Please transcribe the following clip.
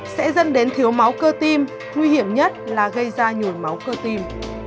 sẽ dân đến thiếu máu cơ tim nguy hiểm nhất là gây ra nhồi máu cơ tim